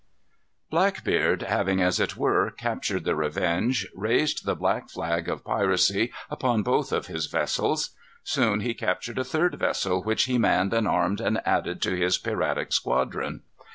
Blackbeard having, as it were, captured the Revenge, raised the black flag of piracy upon both of his vessels. Soon he captured a third vessel, which he manned and armed and added to his piratic squadron.